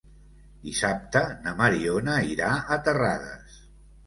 Dissabte na Mariona irà a Terrades.